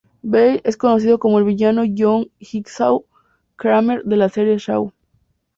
Bell es conocido como el villano John "Jigsaw" Kramer de la serie "Saw".